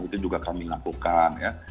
itu juga kami lakukan ya